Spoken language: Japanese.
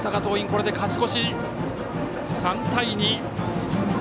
これで勝ち越し、３対２。